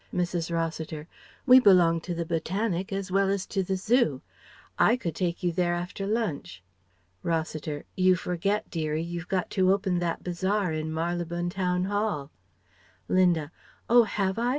Mrs. Rossiter: "We belong to the Botanic as well as to the Zoo. I could take you there after lunch." Rossiter: "You forget, dearie, you've got to open that Bazaar in Marylebone Town Hall " Linda: "Oh, have I?